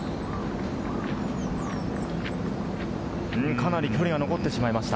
かなり距離が残ってしまいました。